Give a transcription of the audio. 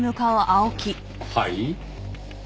はい？